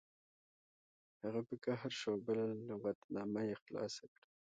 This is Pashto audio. هغه په قهر شو او بله لغتنامه یې خلاصه کړه